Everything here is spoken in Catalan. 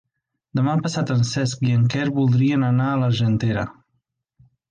Demà passat en Cesc i en Quer voldrien anar a l'Argentera.